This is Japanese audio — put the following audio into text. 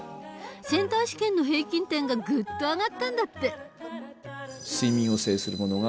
センター試験の平均点がぐっと上がったんだって。